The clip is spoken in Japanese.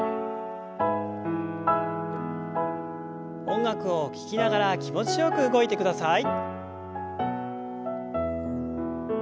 音楽を聞きながら気持ちよく動いてください。